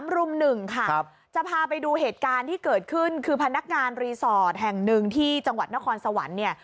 รุ่ม๑ค่ะจะพาไปดูเหตุการณ์ที่เกิดขึ้นคือพนักงานรีสอร์ทแห่งหนึ่งที่จังหวัดนครสวรรค์เนี่ย